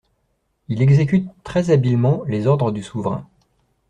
Il exécute très habilement les ordres du souverain.